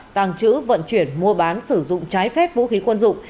tàng trữ vận chuyển mua bán sử dụng trái phép vũ khí quân dụng